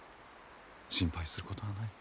心配することはない。